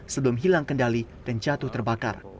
sebelum hilang kendali dan jatuh terbakar